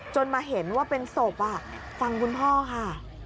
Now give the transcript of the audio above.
มาเห็นว่าเป็นศพฟังคุณพ่อค่ะ